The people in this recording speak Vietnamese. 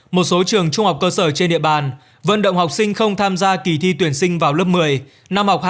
một số trường trung học cơ sở trên địa bàn vận động học sinh không tham gia kỳ thi tuyển sinh vào lớp một mươi